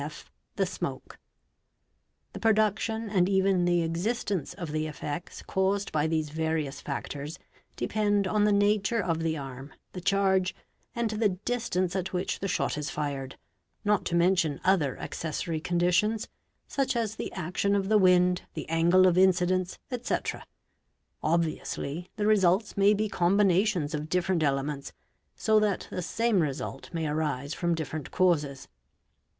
(f) The smoke. || The production and even the existence of the effects caused by these various factors depend on the nature of the arm, the charge, and the distance at which the shot is fired, not to mention other accessory conditions, such as the action of the wind, the angle of incidence, ete. Obviously the results may be combinations of different elements, so that the same result may arise from different causes.